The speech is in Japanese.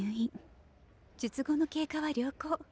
術後の経過は良好。